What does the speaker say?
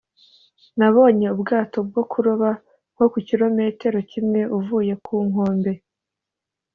nabonye ubwato bwo kuroba nko ku kirometero kimwe uvuye ku nkombe.